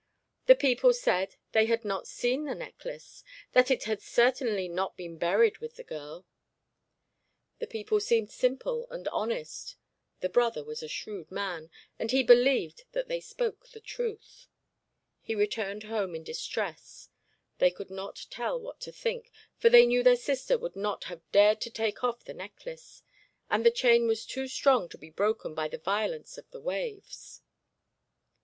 The people said they had not seen the necklace; that it had certainly not been buried with the girl. The people seemed simple and honest; the brother was a shrewd man, and he believed that they spoke the truth. He returned home, in distress; they could not tell what to think, for they knew their sister would not have dared to take off the necklace, and the chain was too strong to be broken by the violence of the waves.